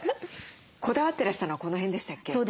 こだわってらしたのはこの辺でしたっけ？